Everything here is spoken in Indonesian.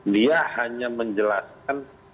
dia hanya menjelaskan